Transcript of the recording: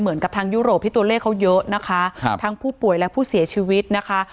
เหมือนกับทางยุโรปที่ตัวเลขเขาเยอะนะคะครับทั้งผู้ป่วยและผู้เสียชีวิตนะคะ